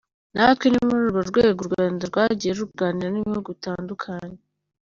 Natwe ni muri urwo rwego u Rwanda rwagiye ruganira n’ibihugu bitandukanye.